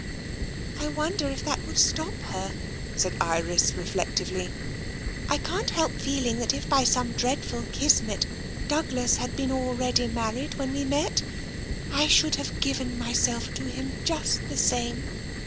" I wonder if that would stop her," said Iris, reflec tively. " I can't help feeling that if by some dreadful Kismet Douglas had been already married when we met, I should have given myself to him just the same.